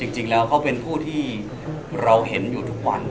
จริงแล้วเขาเป็นผู้ที่เราเห็นอยู่ทุกวัน